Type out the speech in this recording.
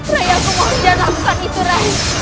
rai aku mohon jangan lakukan itu rai